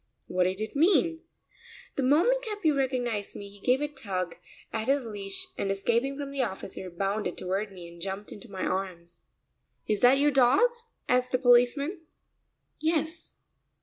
What did it mean? The moment Capi recognized me he gave a tug at his leash and escaping from the officer bounded toward me and jumped into my arms. "Is that your dog?" asked the policeman. "Yes."